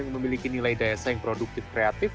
yang memiliki nilai daya saing produktif kreatif